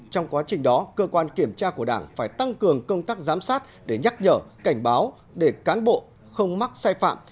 trong quá trình đó cơ quan kiểm tra của đảng phải tăng cường công tác giám sát để nhắc nhở cảnh báo để cán bộ không mắc sai phạm